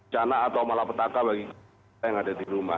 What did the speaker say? cana atau malapetaka bagi kita yang ada di rumah